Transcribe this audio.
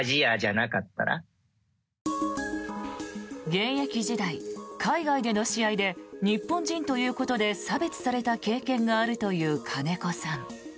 現役時代、海外での試合で日本人ということで差別された経験があるという金子さん。